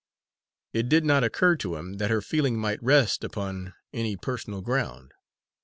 It did not occur to him that her feeling might rest upon any personal ground.